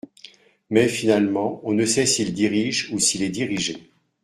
Mais finalement on ne sait s'il dirige ou s'il est dirigé.